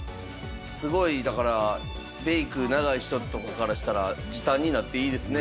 すごいだからメイク長い人とかからしたら時短になっていいですね。